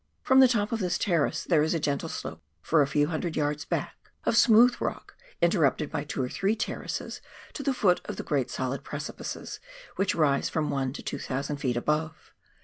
From the top of this terrace there is a gentle slope, for a few hundred yards back, of smootli rock interrupted by two or three terraces, to the foot of the great solid precipices which rise from one to two tbousand feet above.